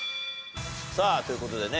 さあという事でね